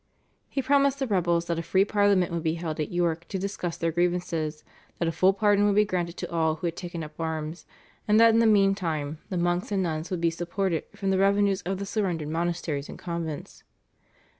He promised the rebels that a free Parliament would be held at York to discuss their grievances, that a full pardon would be granted to all who had taken up arms, and that in the meantime the monks and nuns would be supported from the revenues of the surrendered monasteries and convents.